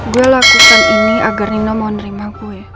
gue lakukan ini agar nino mau nerima gue